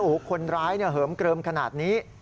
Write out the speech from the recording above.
โอ้โหคนร้ายเหิมเกลิมขนาดนี้